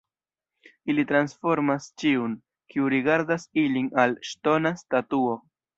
Ili transformas ĉiun, kiu rigardas ilin, al ŝtona statuo.